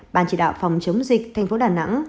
ban chỉ đạo phòng chống dịch tp đn